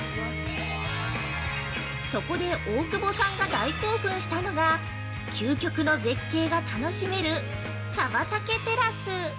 そこで大久保さんが大興奮したのが、究極の絶景が楽しめる茶畑テラス。